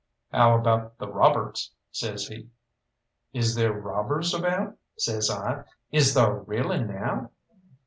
"How about the robbers?" says he. "Is there robbers about?" says I. "Is thar really now?"